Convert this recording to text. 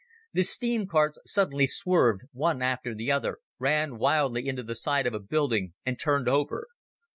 The steam carts suddenly swerved, one after the other, ran wildly into the side of a building, and turned over.